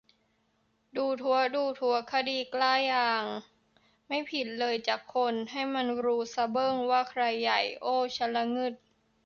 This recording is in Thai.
ดูถั๊วะ ดูถั๊วะ คดีกล้ายาง ไม่ผิดเลยจั๊กคน ให้มันรู้ซะเบิ้งว่าใครใหญ่ โอ้วฉันล่ะงึด